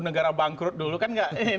negara bangkrut dulu kan